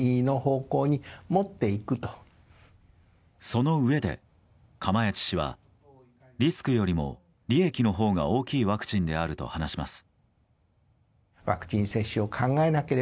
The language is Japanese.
そのうえで釜萢氏はリスクよりも利益のほうが大きいワクチンであると話します。